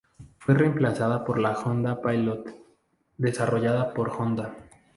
Fue reemplazada por la Honda Pilot desarrollada por Honda.